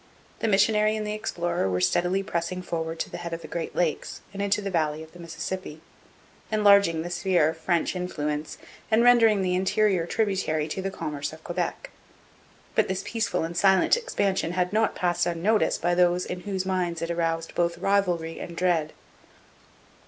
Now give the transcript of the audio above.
The missionary and the explorer were steadily pressing forward to the head of the Great Lakes and into the valley of the Mississippi, enlarging the sphere of French influence and rendering the interior tributary to the commerce of Quebec. But this peaceful and silent expansion had not passed unnoticed by those in whose minds it aroused both rivalry and dread.